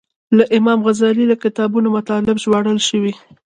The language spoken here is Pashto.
له امام غزالي له کتابو مطالب ژباړل شوي.